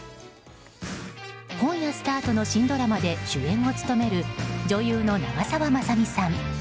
今夜スタートの新ドラマで主演を務める女優の長澤まさみさん。